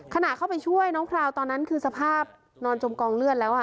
ขณะเข้าไปช่วยน้องพราวตอนนั้นคือสภาพนอนจมกองเลือดแล้ว